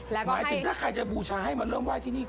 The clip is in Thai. หมายถึงถ้าใครจะบูชาให้มาเริ่มไหว้ที่นี่